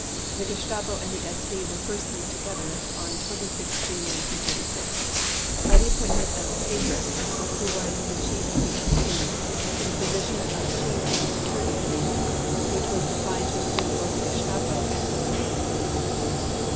The Gestapo and the SD were first linked together on 26 June 1936 by the appointment of Heydrich, who was the Chief of the SD, to the position of Chief of the Security Police, which was defined to include both the Gestapo and the Criminal Police.